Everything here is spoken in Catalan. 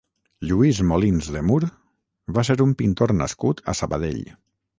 Lluís Molins de Mur va ser un pintor nascut a Sabadell.